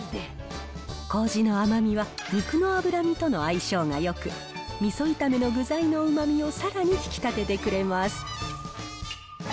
こうじの甘みは肉の脂身との相性がよく、みそ炒めの具材のうまみをさらに引き立ててくれます。